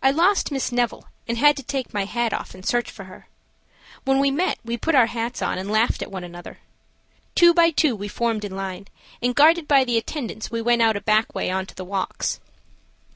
I lost Miss Neville, and had to take my hat off and search for her. When we met we put our hats on and laughed at one another. Two by two we formed in line, and guarded by the attendants we went out a back way on to the walks.